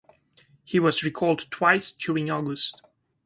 He was recalled twice during August.